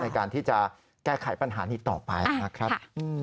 ในการที่จะแก้ไขปัญหานี้ต่อไปนะครับ